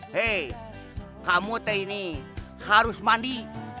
hei kamu teh ini harus mandi